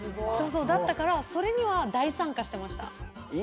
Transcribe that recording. だったからそれには大参加してました。